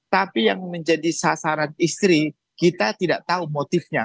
tapi yang menjadi sasaran istri kita tidak tahu motifnya